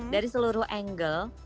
dari seluruh angle